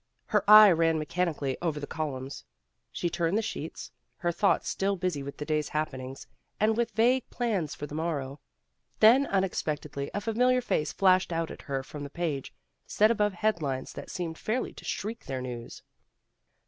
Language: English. Her eye ran mechanically over the columns. She turned the sheets, her thoughts still busy with the day's happenings, and with vague plans for the morrow. Then DELIVERANCE 233 unexpectedly a familiar face flashed out at her from the page, set above head lines that seemed fairly to shriek their news.